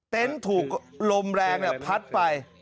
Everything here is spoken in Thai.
เต้นถูกลมแรงพัดไป